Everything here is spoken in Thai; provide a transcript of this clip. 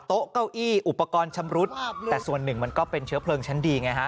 โต๊ะเก้าอี้อุปกรณ์ชำรุดแต่ส่วนหนึ่งมันก็เป็นเชื้อเพลิงชั้นดีไงฮะ